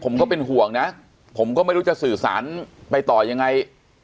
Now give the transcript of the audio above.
ผมก็เป็นห่วงนะผมก็ไม่รู้จะสื่อสารไปต่อยังไง